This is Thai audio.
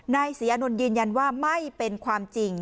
นายศรีอานนท์ยืนยันว่าไม่เป็นความจริง